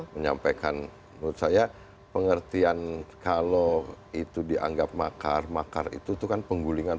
menyampaikan menurut saya pengertian kalau itu dianggap makar makar itu tuh kan penggulingan